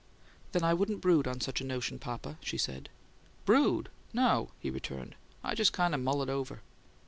"Then I wouldn't brood on such a notion, papa," she said. "'Brood?' No!" he returned. "I just kind o' mull it over."